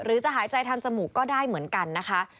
จะหายใจทางจมูกก็ได้เหมือนกันนะคะ